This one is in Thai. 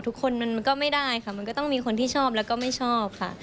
ทุกคนมันก็ไม่ได้ค่ะมันก็ต้องมีคนที่ชอบแล้วก็ไม่ชอบค่ะ